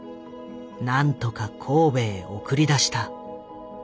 なんとか神戸へ送り出した。